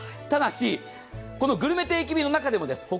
ただしグルメ定期便の中です。